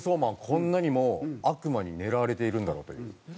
こんなにも悪魔に狙われているんだろうという。